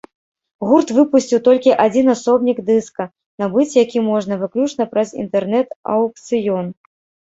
Гурт выпусціў толькі адзін асобнік дыска, набыць які можна выключна праз інтэрнэт-аукцыён.